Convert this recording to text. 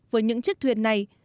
với những chiếc thuyền này